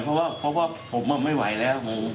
เพราะว่าผมไม่ไหวแล้ว